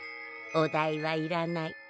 お代はいらない。